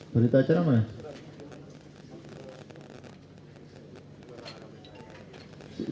berita acara mana